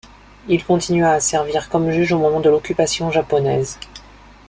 Il continua à servir comme juge au moment de l'occupation japonaise.